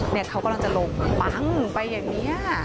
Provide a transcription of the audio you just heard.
เนี่ยเขากำลังจะลงปั๊งไปอย่างเนี่ย